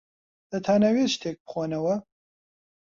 دەتانەوێت شتێک بخۆنەوە؟